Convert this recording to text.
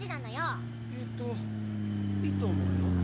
えっといいとおもうよ。